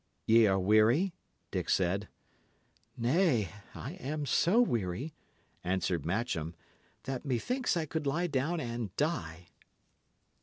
"Y' are weary?" Dick said. "Nay, I am so weary," answered Matcham, "that methinks I could lie down and die."